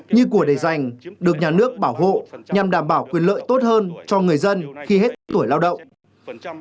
như của để giành được nhà nước bảo hộ nhằm đảm bảo quyền lợi tốt hơn cho người dân khi hết tuổi lao động